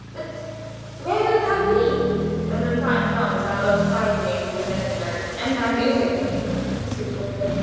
But where wilt thou be?" "When the time comes thou wilt soon find me if it is necessary And thy music," pursued Eugen.